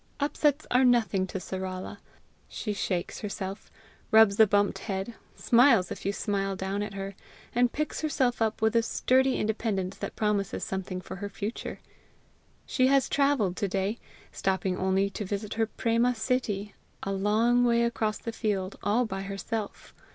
Upsets are nothing to Sarala. She shakes herself, rubs a bumped head, smiles if you smile down at her, and picks herself up with a sturdy independence that promises something for her future. She has travelled to day, stopping only to visit her Préma Sittie, a long way across the field all by herself.